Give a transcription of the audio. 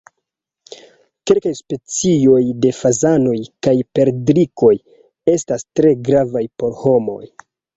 Kelkaj specioj de fazanoj kaj perdrikoj estas tre gravaj por homoj.